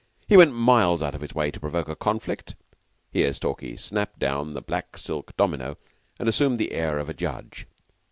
He went miles out of his way to provoke a conflict." (Here Stalky snapped down the black silk domino and assumed the air of a judge.)